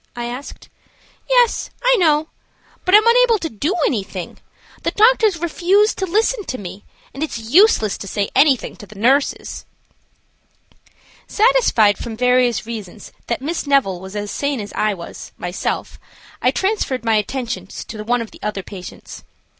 I asked. "Yes, I know; but I am unable to do anything. The doctors refuse to listen to me, and it is useless to say anything to the nurses." Satisfied from various reasons that Miss Neville was as sane as I was myself, I transferred my attentions to one of the other patients.